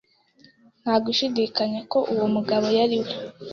Nta gushidikanya ko uwo mugabo yari we